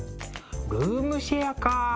ルームシェアか。